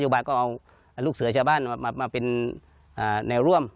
บายก็เอาลูกเสือชาวบ้านมาเป็นแนวร่วม